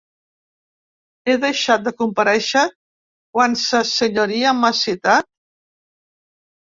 He deixat de comparèixer quan sa senyoria m’ha citat?